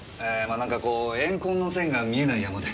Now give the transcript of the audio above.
何かこう怨恨の線が見えないヤマで。